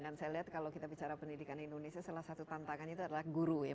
dan saya lihat kalau kita bicara pendidikan di indonesia salah satu tantangan itu adalah guru ya